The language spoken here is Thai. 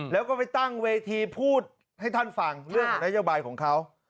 แล้วก็ไปตั้งเวทีพูดให้ท่านฟังเรื่องของนโยบายของเขา